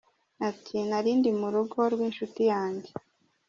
Ati: “Narindi mu rugo rw’inshuti yanjye.